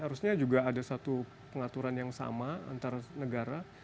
harusnya juga ada satu pengaturan yang sama antar negara